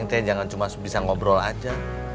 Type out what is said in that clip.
si aceh jangan cuma bisa ngobrol aja